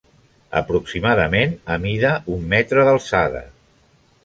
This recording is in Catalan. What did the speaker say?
Aproximadament amida un metre d'alçada.